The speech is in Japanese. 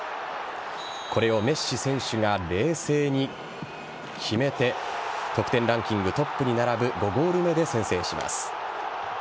これをメッシ選手が冷静に決めて得点ランキングトップに並ぶ５ゴール目で先制します。